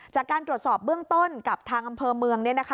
จากการตรวจสอบเบื้องต้นกับทางอำเภอเมือง